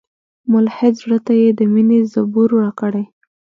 ملحد زړه ته یې د میني زبور راکړی